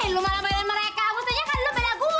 eh lo malah belain mereka maksudnya kan lo belain gua